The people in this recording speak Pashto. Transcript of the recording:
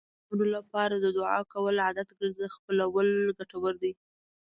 د نورو لپاره د دعا کولو عادت خپلول ګټور دی.